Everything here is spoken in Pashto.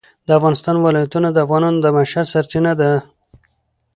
د افغانستان ولايتونه د افغانانو د معیشت سرچینه ده.